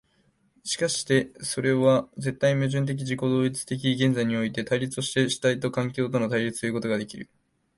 しかしてそれは絶対矛盾的自己同一的現在においての対立として主体と環境との対立ということができる。